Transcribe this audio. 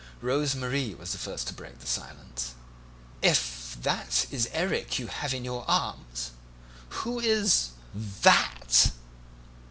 Rose Marie was the first to break the silence. "If that is Erik you have in your arms, who is that?"